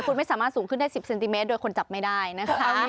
คุณไม่สามารถสูงขึ้นได้๑๐เซนติเมตรโดยคนจับไม่ได้นะคะ